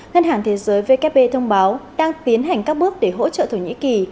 ngân hàng thế giới vkp thông báo đang tiến hành các bước để hỗ trợ thổ nhĩ kỳ